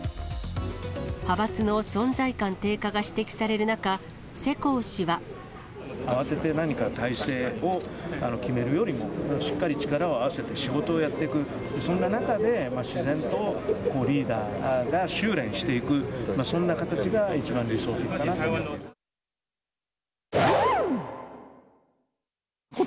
派閥の存在感低下が指摘される中、世耕氏は。慌てて何か体制を決めるよりも、しっかり力を合わせて仕事をやっていく、そんな中で、自然とリーダーが収れんしていく、そんな形が一番理想的かなと。